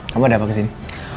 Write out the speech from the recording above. kamu ada apa kesini